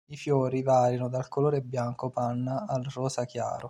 I fiori variano dal colore bianco panna al rosa chiaro.